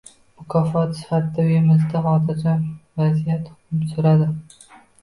Mukofot sifatida – uyimizda xotirjam vaziyat hukm suradi